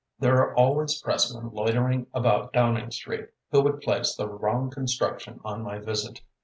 There are always pressmen loitering about Downing Street, who would place the wrong construction on my visit.